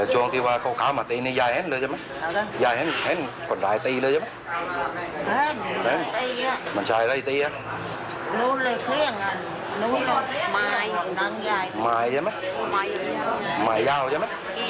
อ๋อหมายแผ่นแผ่นยาวใช่ไหม